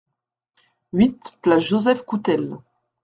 huit place Joseph Coutel